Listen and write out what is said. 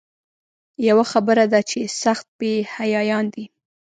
یوه خبره ده چې سخت بې حیایان دي.